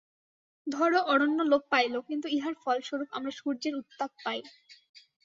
ধর, অরণ্য লোপ পাইল, কিন্তু ইহার ফলস্বরূপ আমরা সূর্যের উত্তাপ পাই।